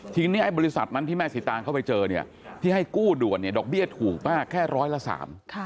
ทีนี้ไอ้บริษัทนั้นที่แม่สีตางเข้าไปเจอเนี่ยที่ให้กู้ด่วนเนี่ยดอกเบี้ยถูกมากแค่ร้อยละสาม